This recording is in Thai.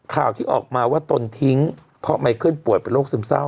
ข่าวที่ออกมาว่าตนทิ้งเพราะไมเคิลป่วยเป็นโรคซึมเศร้า